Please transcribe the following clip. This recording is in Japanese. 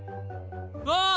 わあ！